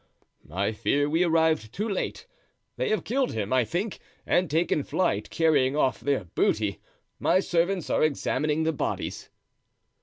"I fear we arrived too late. They have killed them, I think, and taken flight, carrying off their booty. My servants are examining the bodies."